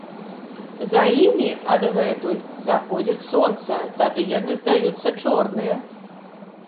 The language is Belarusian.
За імі адгэтуль заходзіць сонца, тады яны здаюцца чорныя.